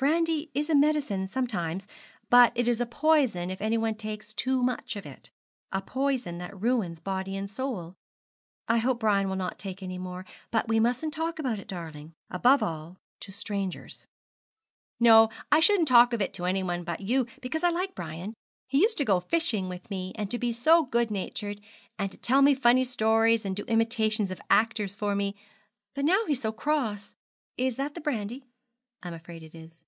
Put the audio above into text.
'Brandy is a medicine sometimes, but it is a poison if anyone takes too much of it a poison that ruins body and soul. I hope Brian will not take any more; but we mustn't talk about it, darling, above all to strangers.' 'No, I shouldn't talk of it to anybody but you, because I like Brian. He used to go fishing with me, and to be so good natured, and to tell me funny stories, and do imitations of actors for me; but now he's so cross. Is that the brandy?' 'I'm afraid it is.'